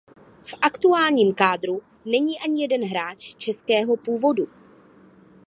V aktuálním kádru není ani jeden hráč českého původu.